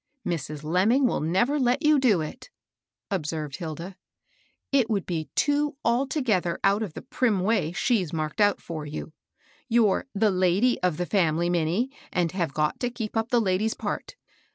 " Mrs. Lenuning will never let you do it," observed Hilda ;" it would be too altogether out of the prim way she's marked out for you. You're LITTLB LILLY. 88 * the lady,' of the family, Minnie, and have got to keep up the lady's part.